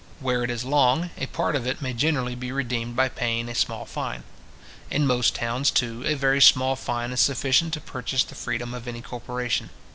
Where it is long, a part of it may generally be redeemed by paying a small fine. In most towns, too, a very small fine is sufficient to purchase the freedom of any corporation.